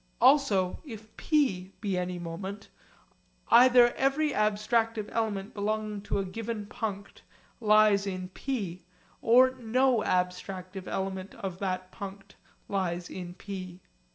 Also if P be any moment, either every abstractive element belonging to a given punct lies in P, or no abstractive element of that punct lies in P.